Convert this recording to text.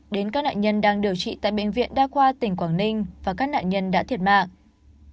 đến các nạn nhân đang điều trị tại bệnh viện đa khoa tỉnh quảng ninh và các nạn nhân đã thiệt mạng